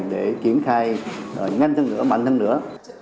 để kiến thai nhanh hơn nữa mạnh hơn nữa